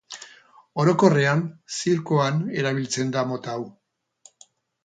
Orokorrean, zirkuan erabiltzen da mota hau.